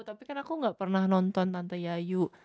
tapi kan aku gak pernah nonton tante yayu